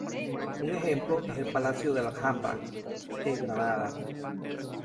Un ejemplo es el palacio de la Alhambra de Granada.